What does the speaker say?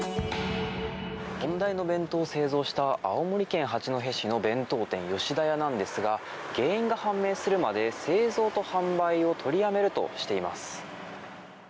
問題の弁当を製造した青森県八戸市の弁当店吉田屋なんですが原因が判明するまで製造と販売を取りやめるとしています。